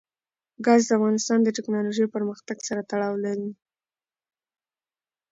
ګاز د افغانستان د تکنالوژۍ پرمختګ سره تړاو لري.